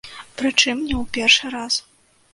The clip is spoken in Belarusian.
Прычым не ў першы раз.